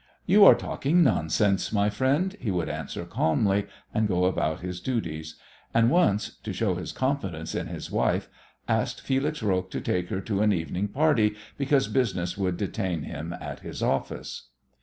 "You are talking nonsense, my friend," he would answer calmly, and go about his duties, and once, to show his confidence in his wife, asked Felix Roques to take her to an evening party because business would detain him at his office.